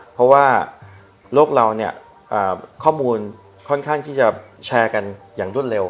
เพราะว่าโลกเราเนี่ยข้อมูลค่อนข้างที่จะแชร์กันอย่างรวดเร็ว